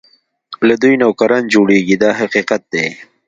له دوی نوکران جوړېږي دا حقیقت دی.